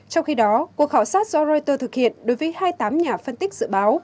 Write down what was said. trong khi đó cuộc khảo sát do reuters thực hiện đối với hai mươi tám nhà phân tích dự báo